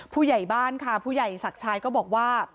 ผู้ใหญ่บ้านค่ะผู้ใหญ่ศักดิ์ชายก็บอกว่า